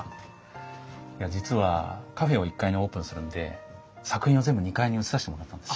実はカフェを１階にオープンするんで作品を全部２階に移させてもらったんですよ。